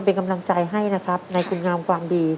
เป็นกำลังใจให้นะครับในคุณงามความดี